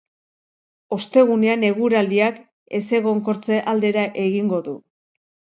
Ostegunean eguraldiak ezegonkortze aldera egingo du.